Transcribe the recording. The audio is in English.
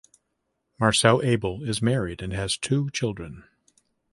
Marcel Abel is married and has two children.